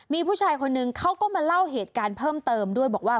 มีผู้ชายคนนึงเขาก็มาเล่าเหตุการณ์เพิ่มเติมด้วยบอกว่า